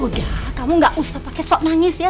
udah kamu gak usah pakai sok nangis ya